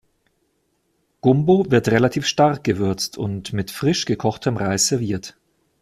Gumbo wird relativ stark gewürzt und mit frisch gekochtem Reis serviert.